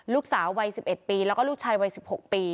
ลูกสาววัยสิบเอ็ดปีแล้วก็ลูกชายวัยสิบหกปี